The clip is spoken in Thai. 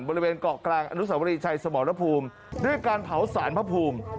บริเวณเกาะกลางอนุสาวรีชัยสมรภูมิด้วยการเผาสารพระภูมิ